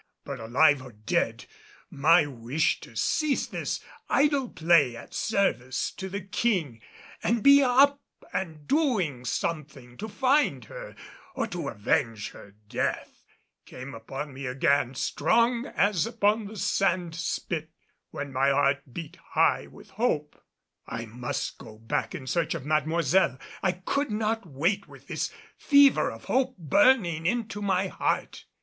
But alive or dead, my wish to cease this idle play at service to the King and be up and doing something to find her, or to avenge her death, came upon me again strong as upon the sand spit when my heart beat high with hope. I must go back in search of Mademoiselle. I could not wait with this fever of hope burning into my heart.